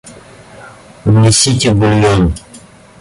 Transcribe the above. Унесите бульон.